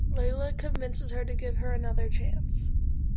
Layla convinces her to give her another chance.